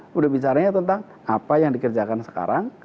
sudah bicaranya tentang apa yang dikerjakan sekarang